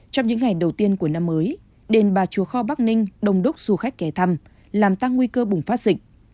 trong những ngày đầu tiên của năm mới đền bà chùa kho bắc ninh đồng đốc du khách kẻ thăm làm tăng nguy cơ bùng phát dịch